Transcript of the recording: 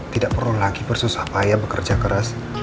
tidak perlu lagi bersusah payah bekerja keras